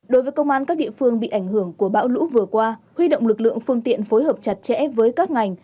đối với công an các địa phương bị ảnh hưởng của bão lũ vừa qua huy động lực lượng phương tiện phối hợp chặt chẽ với các ngành